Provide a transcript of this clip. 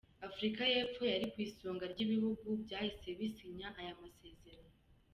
Afurika y’Epfo yari ku isonga ry’ibihugu byahise bisinya aya masezerano.